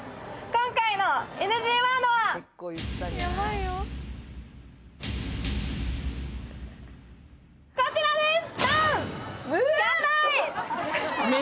今回のＮＧワードはこちらです。